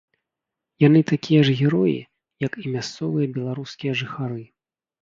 Яны такія ж героі, як і мясцовыя беларускія жыхары.